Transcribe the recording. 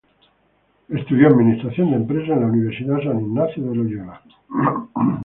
Estudió Administración de Empresas en la Universidad San Ignacio de Loyola.